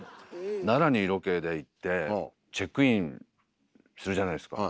奈良にロケで行ってチェックインするじゃないですか。